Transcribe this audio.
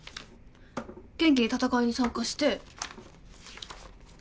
元気に戦いに参加して。